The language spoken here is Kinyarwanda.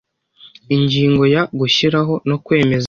Ingingo ya Gushyiraho no kwemeza